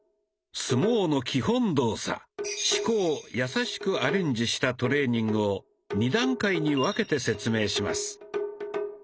相撲の基本動作「四股」をやさしくアレンジしたトレーニングを２段階に分けて説明します。